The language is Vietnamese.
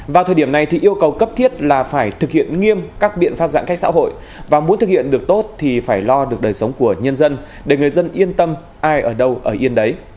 vào thời điểm này thì yêu cầu cấp thiết là phải thực hiện nghiêm các biện pháp giãn cách xã hội và muốn thực hiện được tốt thì phải lo được đời sống của nhân dân để người dân yên tâm ai ở đâu ở yên đấy